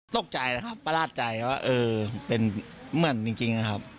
ตกใจนะครับประหลาดใจว่าเออเป็นเหมือนจริงนะครับ